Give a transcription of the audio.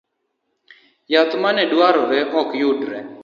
Yath maneduarore okyudre